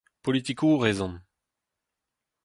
Politikourez on.